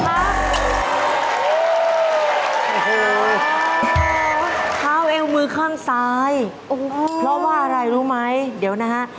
อ้าวท้าวเอวมือข้างซ้ายเพราะว่าอะไรรู้ไหมเดี๋ยวนะคะ